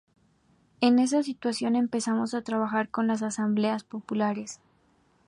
En esa situación empezamos a trabajar con las asambleas populares.